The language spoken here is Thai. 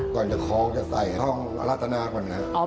ก่อนจะคล้องจะใส่ห้องรัฐนาก่อนนะครับ